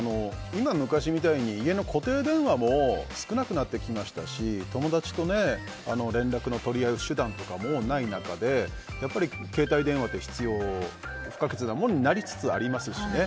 今は昔みたいに家の固定電話も少なくなってきましたし友達と連絡を取り合う手段とかもない中で、携帯電話って必要不可欠なものになりつつありますしね。